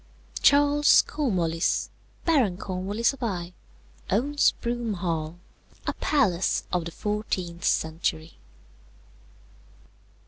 "Charles Cornwallis, Baron Cornwallis of Eye, owns Broome Hall, a palace of the fourteenth century.